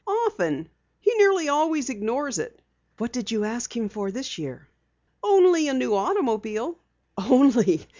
"Often. He nearly always ignores it." "What did you ask him for this year?" "Only a new automobile." "Only!